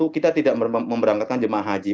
kita tidak memberangkatkan jemaah haji